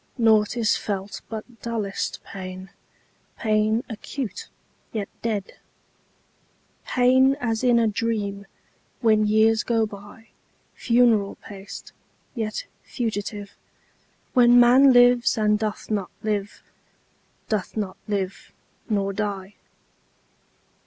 Naught is felt but dullest pain, Pain acute, yet dead; Pain as in a dream, When years go byFuneral paced, yet fugitive, When man lives, and doth not live, Doth not live—nor die.